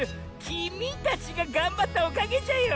「きみ」たちががんばったおかげじゃよ。